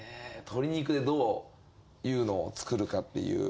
鶏肉でどういうのを作るかっていう。